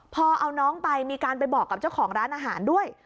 พอเอาน้องไปมีการไปบอกกับเจ้าของร้านอาหารด้วย